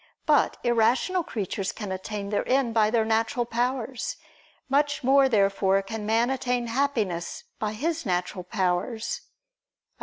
But irrational creatures can attain their end by their natural powers. Much more therefore can man attain Happiness by his natural powers. Obj.